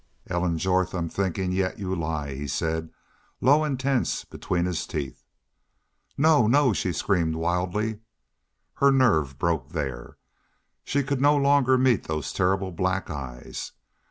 "Ellen Jorth, I'm thinkin' yet you lie!" he said, low and tense between his teeth. "No! No!" she screamed, wildly. Her nerve broke there. She could no longer meet those terrible black eyes.